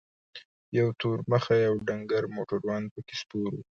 یو تور مخی او ډنګر موټروان پکې سپور و.